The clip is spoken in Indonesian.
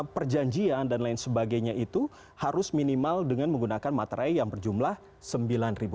perjanjian dan lain sebagainya itu harus minimal dengan menggunakan materai yang berjumlah sembilan ribu